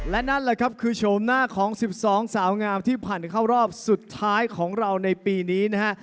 และนั่นแหละครับคือโฉมหน้าของ๑๒สาวงามที่ผ่านเข้ารอบสุดท้ายของเราในปีนี้นะฮะ